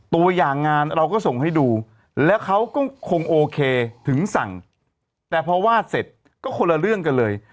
ตัวอย่างงานเราก็ส่งให้ดูแล้วเขาก็คงโอเคถึงสั่งแต่พอวาดเสร็จก็คนละเรื่องกันเลย